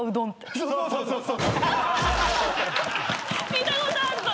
見たことあるぞ！